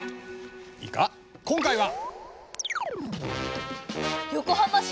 いいか今回は。